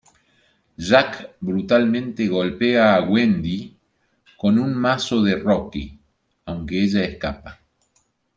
Jack brutalmente golpea a Wendy con un mazo de roque, aunque ella escapa.